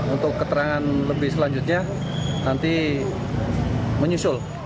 untuk keterangan lebih selanjutnya nanti menyusul